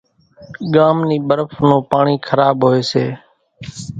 ڳام نِي ٻرڦ نون پاڻِي کراٻ هوئيَ سي۔